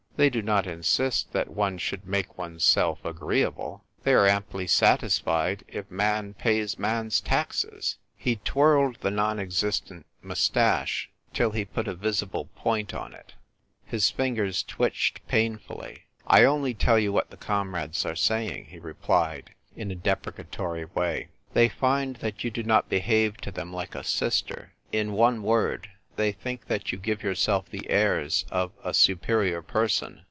They do not insist that one should make oneself agreeable. They are amply satisfied if man pays man's taxes." He twirled the non existent moustache till he put a visible point on it. His fingers twitched painfully. " I only tell you what the comrades are saying," he replied, in a deprecatory way. " They find that you do not behave to them like a sister. In one word, they think that you give yourself the airs of a superior person.